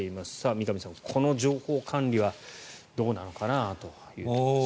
三上さん、この情報管理はどうなのかなというところです。